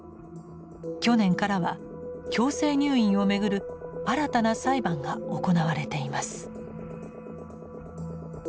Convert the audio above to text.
去年からは強制入院をめぐる新たな裁判が行われています。